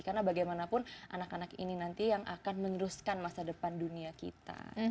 karena bagaimanapun anak anak ini nanti yang akan meneruskan masa depan dunia kita